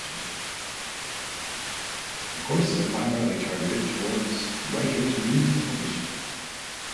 The courses are primarily targeted toward writers new to publishing.